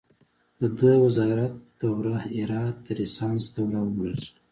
د ده د وزارت دوره د هرات د ریسانس دوره وبلل شوه.